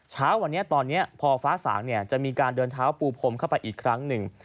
เช้าวันนี้ตอนนี้พอฟ้าสางจะมีการเดินเท้าปูพรมเข้าไปอีกครั้งหนึ่ง